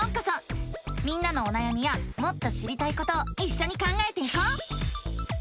みんなのおなやみやもっと知りたいことをいっしょに考えていこう！